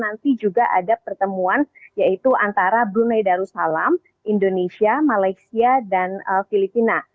nanti juga ada pertemuan yaitu antara brunei darussalam indonesia malaysia dan filipina